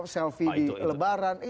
selfie di lebaran